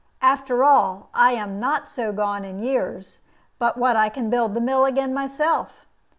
After all, I am not so gone in years but what I can build the mill again myself.